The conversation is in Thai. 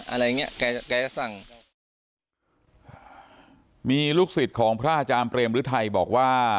อะไรอย่างเงี้ยแกแกสั่งมีลูกศิษย์ของพระอาจารย์เปรมฤทัยบอกว่า